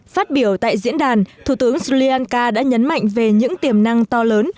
phát biểu tại diễn đàn thủ tướng sri lanka đã nhấn mạnh về những tiềm năng to lớn